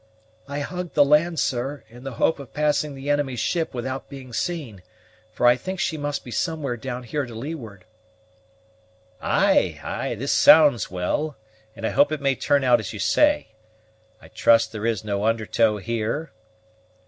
"I hug the land, sir, in the hope of passing the enemy's ship without being seen, for I think she must be somewhere down here to leeward." "Ay, ay, this sounds well, and I hope it may turn out as you say. I trust there is no under tow here?"